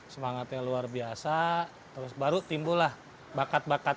semangatnya luar biasa terus baru timbullah bakat bakat